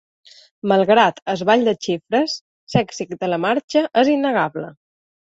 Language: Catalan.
Malgrat el ball de xifres, l’èxit de la marxa és innegable.